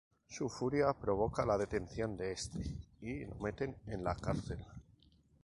Su furia provoca la detención de este y lo meten en la cárcel.